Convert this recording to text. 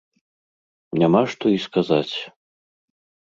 Няма што і сказаць.